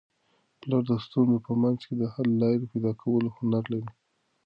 پلار د ستونزو په منځ کي د حل لاري پیدا کولو هنر لري.